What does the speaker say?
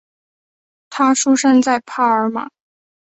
他出生在帕尔马。